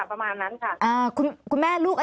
มันเป็นอาหารของพระราชา